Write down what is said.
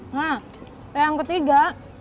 nah yang ketiga